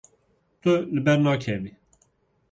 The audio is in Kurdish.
Tu li ber nakevî.